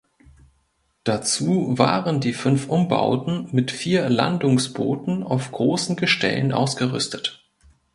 Dazu waren die fünf Umbauten mit vier Landungsbooten auf großen Gestellen ausgerüstet.